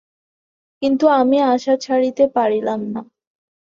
কিন্তু, আমি আশা ছাড়িতে পারিলাম না।